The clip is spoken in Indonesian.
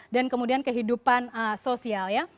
dan kemudian kehidupan sosial